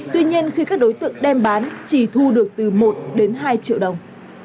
tuy nhiên khi các đối tượng đem bán chỉ thu được từ một đến hai triệu đồng